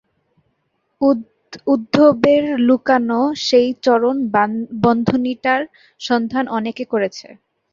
উদ্ধবের লুকানো সেই চরণ-বন্ধনীটার সন্ধান অনেকে করেছে।